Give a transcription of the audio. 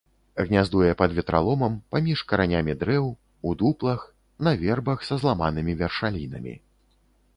Гняздуе пад ветраломам, паміж каранямі дрэў, у дуплах, на вербах са зламанымі вяршалінамі.